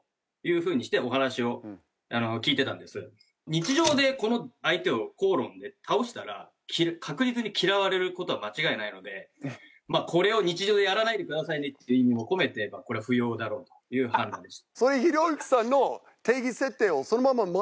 日常で相手を口論で倒したら確実に嫌われる事は間違いないのでこれを日常でやらないでくださいねっていう意味も込めてこれは不要だろうという判断でした。